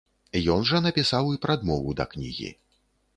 Ён жа напісаў і прадмову да кнігі.